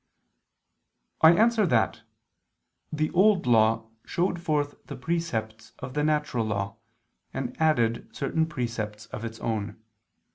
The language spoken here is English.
I answer that, The Old Law showed forth the precepts of the natural law, and added certain precepts of its own.